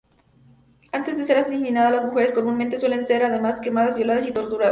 Antes de ser asesinadas, las mujeres comúnmente suelen ser además quemadas, violadas y torturadas.